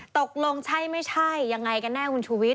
ตกลงใช่ไม่ใช่ยังไงกันแน่คุณชูวิท